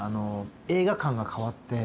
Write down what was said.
映画観が変わって。